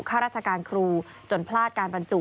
ข้าราชการครูจนพลาดการบรรจุ